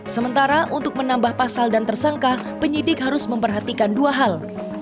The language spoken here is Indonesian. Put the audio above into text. sementara untuk menambah pasal dan tersangka penyidik harus memperhatikan dua hal